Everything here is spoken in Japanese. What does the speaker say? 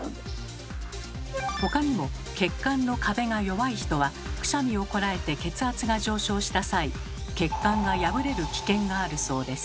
他にも血管の壁が弱い人はくしゃみをこらえて血圧が上昇した際血管が破れる危険があるそうです。